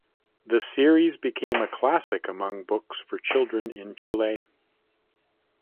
The series became a classic among books for children in Chile.